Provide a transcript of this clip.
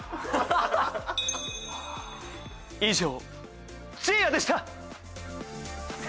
以上じいやでした！